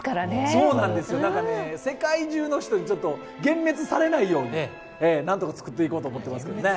そうなんですよ、世界中の人に幻滅されないようになんとか作っていこうと思ってますけどね。